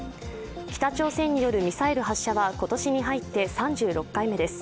北朝鮮によるミサイル発射は今年に入って３６回目です。